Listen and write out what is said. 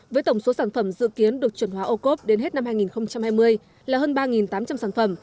với tổng số sản phẩm dự kiến được chuẩn hóa ô cốp đến hết năm hai nghìn hai mươi là hơn ba tám trăm linh sản phẩm